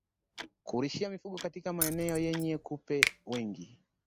Kulishia mifugo katika maeneo yenye kupe wengi